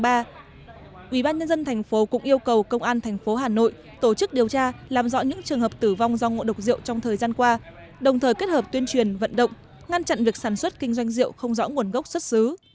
ủy ban nhân dân thành phố cũng yêu cầu công an thành phố hà nội tổ chức điều tra làm rõ những trường hợp tử vong do ngộ độc rượu trong thời gian qua đồng thời kết hợp tuyên truyền vận động ngăn chặn việc sản xuất kinh doanh rượu không rõ nguồn gốc xuất xứ